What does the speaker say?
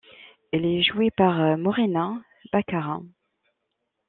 Elle est jouée par Morena Baccarin.